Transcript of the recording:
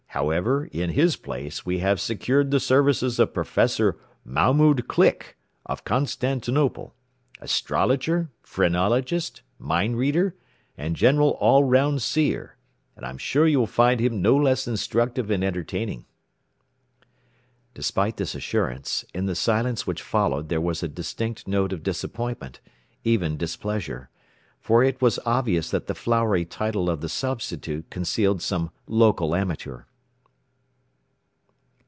However, in his place we have secured the services of Prof. Mahmoud Click, of Constantinople; astrologer, phrenologist, mind reader, and general all round seer; and I am sure you will find him no less instructive and entertaining." Despite this assurance, in the silence which followed there was a distinct note of disappointment, even displeasure. For it was obvious that the flowery title of the substitute concealed some local amateur.